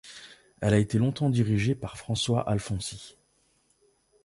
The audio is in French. Elle a été longtemps dirigée par François Alfonsi.